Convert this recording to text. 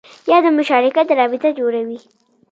یا د مشارکت رابطه جوړوي